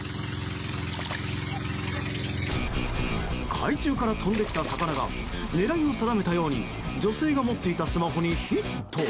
海中から飛んできた魚が狙いを定めたように女性が持っていたスマホにヒット。